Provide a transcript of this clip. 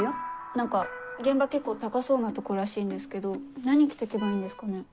何か現場結構高そうなとこらしいんですけど何着てけばいいんですかね？